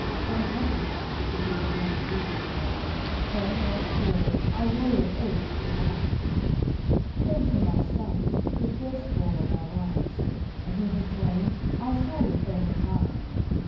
Send hostages, should he demand surety, Ten or a score, our loyal oath to bind; Send him our sons, the first born of our wives; An he be slain, I'll surely furnish mine.